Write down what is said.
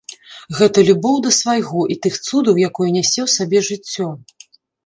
Гэта любоў да свайго і тых цудаў, якое нясе ў сабе жыццё.